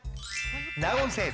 ナウ・オン・セール。